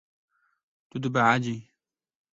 Tu dibehecî.